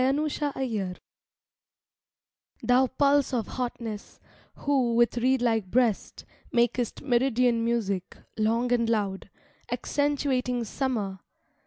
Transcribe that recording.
TO THE LOCUST Thou pulse of hotness, who, with reed like breast, Makest meridian music, long and loud, Accentuating summer!